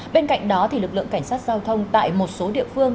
bên cạnh đó lực lượng cảnh sát giao thông tại một số địa phương